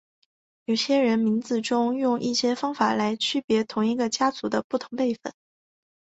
有些人名字中用一些方法来区别同一个家族的不同辈分。